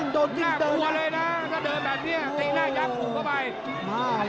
ถ้าเดินแบบนี้ตีหน้ายังถูกเข้าไป